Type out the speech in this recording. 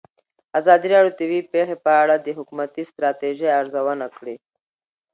ازادي راډیو د طبیعي پېښې په اړه د حکومتي ستراتیژۍ ارزونه کړې.